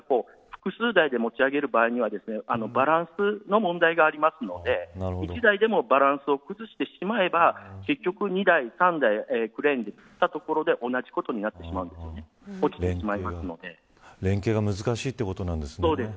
１台で持ち上げないとなかなか複数台で持ち上げる場合にはバランスの問題がありますので１台でもバランスを崩してしまえば、結局２台、３台、クレーンでつったところで連携が難しいということなんですね。